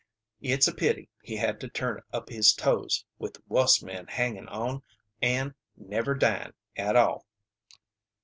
It's a pity he had to turn up his toes, with wuss men hangin' on an never dyin', at all."